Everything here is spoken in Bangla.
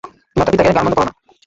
তোমরা তার পিতাকে গালমন্দ করো না।